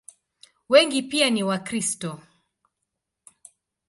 Wengi pia ni Wakristo.